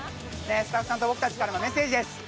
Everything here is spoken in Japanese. スタッフさんと僕たちからのメッセージです。